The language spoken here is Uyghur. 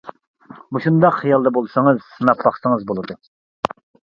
مۇشۇنداق خىيالدا بولسىڭىز، سىناپ باقسىڭىز بولىدۇ.